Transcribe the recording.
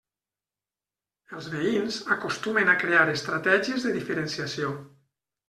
Els veïns acostumen a crear estratègies de diferenciació.